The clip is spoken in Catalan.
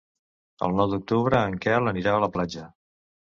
El nou d'octubre en Quel anirà a la platja.